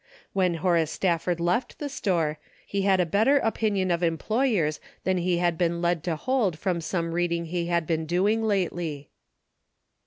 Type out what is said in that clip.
When Horace Stafford left the store, he had a better opinion of employers than he had been led to hold from some reading he had been doing lately.